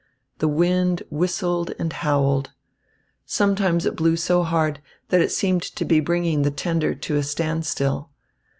The wind whistled and howled. Sometimes it blew so hard that it seemed to be bringing the tender to a standstill.